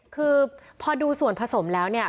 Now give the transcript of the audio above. คือพอดูส่วนผสมแล้วเนี่ย